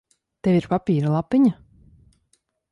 Tev ir papīra lapiņa?